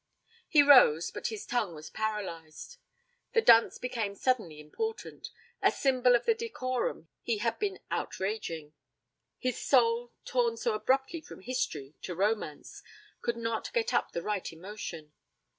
He rose, but his tongue was paralysed. The dunce became suddenly important a symbol of the decorum he had been outraging. His soul, torn so abruptly from history to romance, could not get up the right emotion.